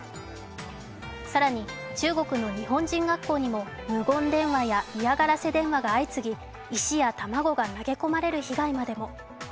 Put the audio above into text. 更に、中国の日本人学校にも無言電話や嫌がらせ電話が相次ぎ、石や卵が投げ込まれる被害までも。